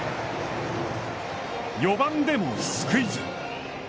４番でもスクイズ。